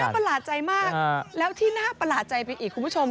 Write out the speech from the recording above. ประหลาดใจมากแล้วที่น่าประหลาดใจไปอีกคุณผู้ชม